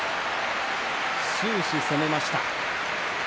終始攻めました。